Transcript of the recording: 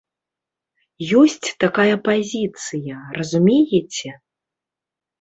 Ёсць такая пазіцыя, разумееце?